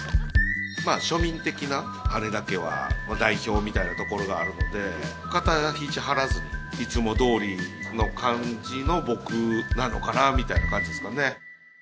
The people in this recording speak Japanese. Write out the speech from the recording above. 庶民的な羽田家は代表みたいなところがあるので肩ひじ張らずにいつもどおりの感じの僕なのかなみたいな感じですかね